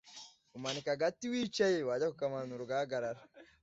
Umanika agati wicaye wajya kukamanura ugahagarara.